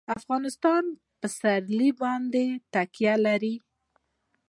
افغانستان په پسرلی باندې تکیه لري.